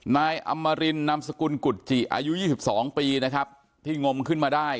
นายอำมารินนำสกุลกุจจิอายุ๒๒ปีที่งมขึ้นมาได้